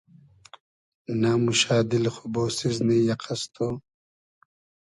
نئموشۂ دیل خو بۉسیزنی یئقئس تو؟